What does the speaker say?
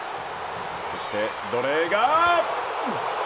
そしてドレーガー。